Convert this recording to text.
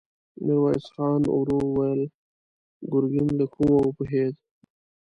ميرويس خان ورو وويل: ګرګين له کومه وپوهېد؟